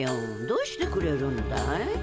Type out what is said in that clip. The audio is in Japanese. どうしてくれるんだい。